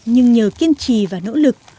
nhưng nhờ kiên trì và nỗ lực